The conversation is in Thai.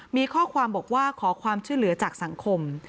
มีข้อความบอกว่าขอความช่วยเหลือจากสังคม